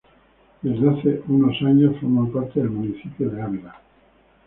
Desde hace unos años forma parte del municipio de Ávila.